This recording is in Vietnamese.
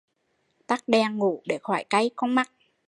Tắt đèn ngủ để khỏi cay con mắt